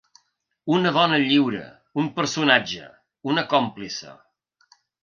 Una dona lliure, un personatge, una còmplice.